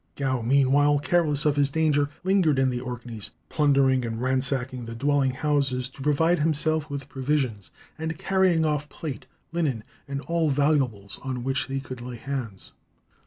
Gow meanwhile, careless of danger, lingered in the Orkneys, plundering and ransacking the dwelling houses to provide himself with provisions, and carrying off plate, linen, and all valuables on which they could lay hands.